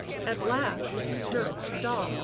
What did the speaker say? At last Dirk stopped.